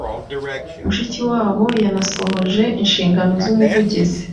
Mushikiwabo yanasohoje inshingano z'umuvugizi